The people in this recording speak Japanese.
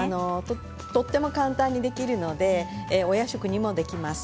とても簡単にできますのでお夜食にもできます。